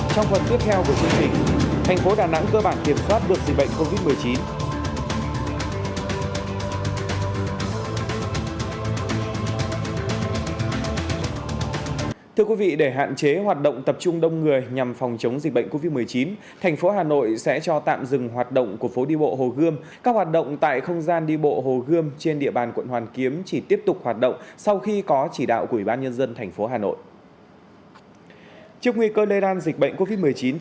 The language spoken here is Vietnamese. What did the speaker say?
trong phần tiếp theo của chương trình thành phố đà nẵng cơ bản kiểm soát được dịch bệnh covid một mươi chín